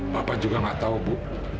bapak juga gak tau bu